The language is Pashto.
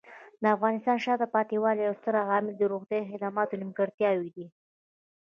د افغانستان د شاته پاتې والي یو ستر عامل د روغتیايي خدماتو نیمګړتیاوې دي.